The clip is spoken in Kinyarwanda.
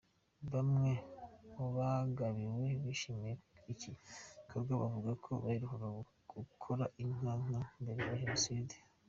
Bamwe mubagabiwe bishimiye iki gikorwa bavuga ko baherukaga korora inka inka mbere ya Jenoside.